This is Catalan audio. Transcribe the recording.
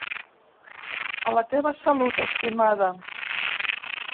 A la teva salut, estimada.